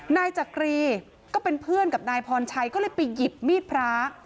นายจักรีก็เป็นเพื่อนกับนายพรชัยก็เลยไปหยิบมีดพระ